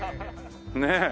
ねえ。